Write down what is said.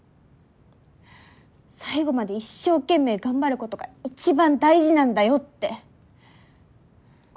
最後まで一生懸命頑張ることが一番大事なんだよって。